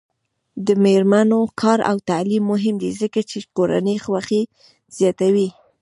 د میرمنو کار او تعلیم مهم دی ځکه چې کورنۍ خوښۍ زیاتوي.